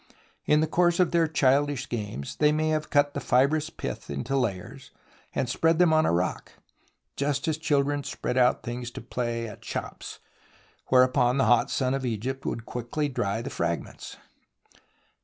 In the course of their childish games they may have cut the fibrous pith into layers and spread them on a rock, just as children spread out things to play at shops, where upon the hot sun of Egypt would quickly dry the fragments.